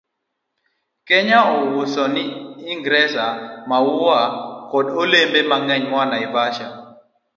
Kenya uso ne Ingresa maua koda olembe mang'eny moa Naivasha,